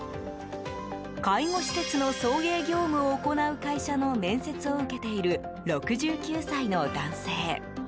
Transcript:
介護施設の送迎業務を行う会社の面接を受けている６９歳の男性。